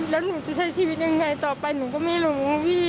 แล้วหนูจะใช้ชีวิตยังไงต่อไปหนูก็ไม่รู้พี่